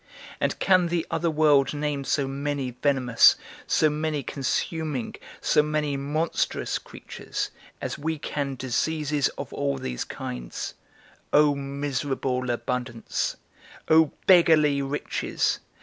And can the other world name so many venomous, so many consuming, so many monstrous creatures, as we can diseases of all these kinds? O miserable abundance, O beggarly riches!